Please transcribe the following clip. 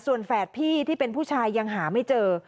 ส่วนแฝดพี่ที่เป็นผู้ชายยังหาไม่เจอ